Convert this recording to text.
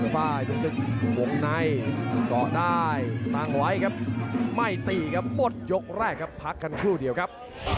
ฝ่ายหนึ่งวงในเกาะได้ตั้งไว้ครับไม่ตีครับหมดยกแรกครับพักกันครู่เดียวครับ